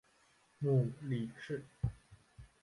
母李氏。